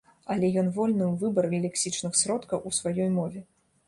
Але ён вольны ў выбары лексічных сродкаў у сваёй мове.